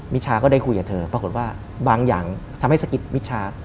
ชาก็ได้คุยกับเธอปรากฏว่าบางอย่างทำให้สะกิดมิชา